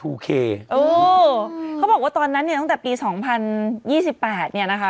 โอเคเออเขาบอกว่าตอนนั้นเนี่ยตั้งแต่ปี๒๐๒๘เนี่ยนะคะ